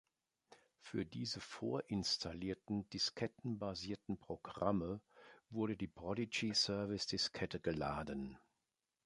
Für diese vorinstallierten diskettenbasierten Programme wurde die Prodigy Service-Diskette geladen.